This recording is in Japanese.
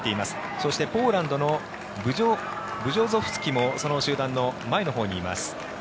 そして、ポーランドのブジョゾフスキもその集団の前のほうにいます。